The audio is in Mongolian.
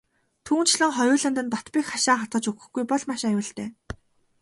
Түүнчлэн хоёуланд нь бат бэх хашаа хатгаж өгөхгүй бол маш аюултай.